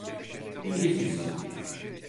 İlgisiz…